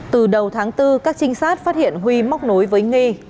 từ đầu tháng bốn các trinh sát phát hiện huy móc nối với nghi